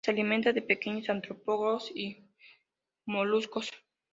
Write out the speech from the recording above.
Se alimentan de pequeños artrópodos y moluscos.